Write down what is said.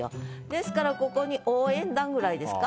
ですからここに「応援団」ぐらいですか？